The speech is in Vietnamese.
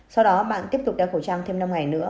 sau đó bạn tiếp tục đeo khẩu trang thêm năm ngày nữa